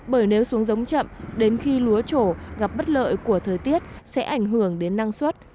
bởi nếu xuống giống chậm đến khi lúa trổ gặp bất lợi của thời tiết sẽ ảnh hưởng đến năng suất